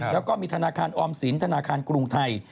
แล้วก็มีธนาคารออมสินธนาคารกรุงไทย